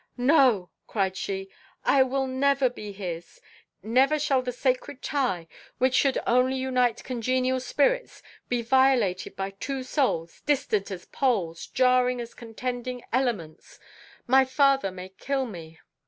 "No," cried she, "I will never be his. Never shall the sacred tie, which should only unite congenial spirits, be violated by two souls, distant as the poles, jarring as contending elements. My father may kill me.